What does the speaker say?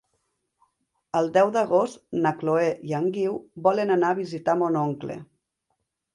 El deu d'agost na Chloé i en Guiu volen anar a visitar mon oncle.